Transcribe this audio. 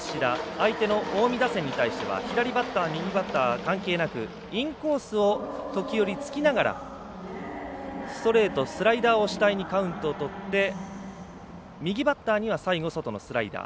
相手の近江打線に対しては左バッター、右バッター関係なくインコースを時折、つきながらストレート、スライダーを主体にカウントをとって右バッターには最後外のスライダー。